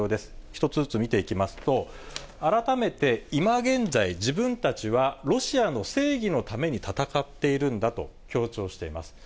一つずつ見ていきますと、改めて今現在、自分たちはロシアの正義のために戦っているんだと強調しています。